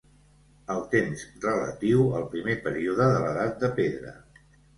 El temps Relatiu al primer període de l'edat de pedra.